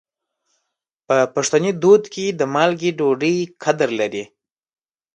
په پښتني دود کې د مالګې ډوډۍ قدر لري.